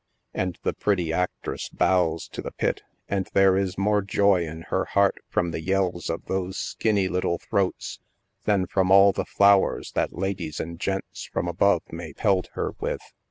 And the pretty actress bows to the pit and there is more joy in her heart from the yells of those skinny little throats than from all the flowers that ladies and gents from above may pelt her with.